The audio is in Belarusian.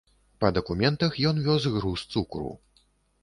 Па дакументах ён вёз груз цукру.